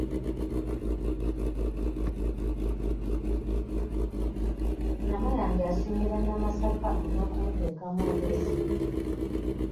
Namayanja asiimye bannamasaka olw’okumuteekamu obwesige.